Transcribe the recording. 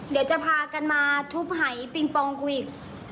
เดี๋ยวจะพากันมาทุบหายปิงปองกวีก